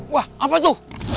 wah apa itu